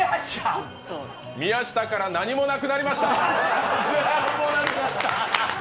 宮下から何もなくなりました。